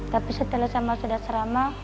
tapi setelah saya masuk ke dasar lama